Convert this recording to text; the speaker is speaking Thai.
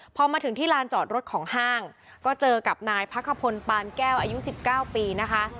พอมาถึงที่ลานจอดรถของห้างก็เจอกับนายพักขพลปานแก้วอายุ๑๙ปีนะคะ